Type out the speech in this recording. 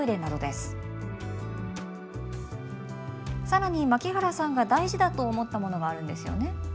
更に槙原さんが大事だと思ったものがあるんですよね？